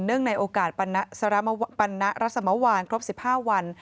เนื่องในโอกาสปรรณรสมวรรณครบ๑๕วัน